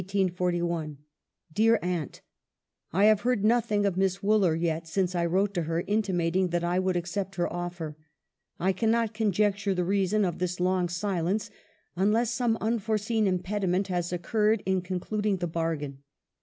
" Dear Aunt, " I have heard nothing of Miss Wooler yet since I wrote to her, intimating that I would accept her offer. I cannot conjecture the rea son of this long silence, unless some unforeseen impediment has occurred in concluding the bar gain.